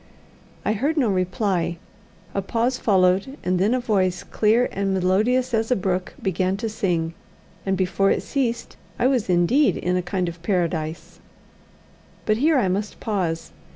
I heard no reply. A pause followed, and then a voice, clear and melodious as a brook, began to sing, and before it ceased, I was indeed in a kind of paradise. But here I must pause.